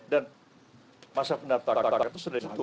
dan masa pendatangan itu sudah dianggup